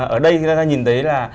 ở đây chúng ta nhìn thấy là